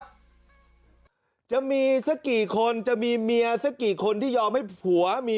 ครับจะมีเสียกี่คนจะมีเมียเสียกี่คนที่ยอมให้ผัวมี